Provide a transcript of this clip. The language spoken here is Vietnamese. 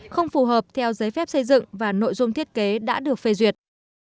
không phù hợp theo giấy phép xây dựng và nội dung thiết kế đã được phê duyệt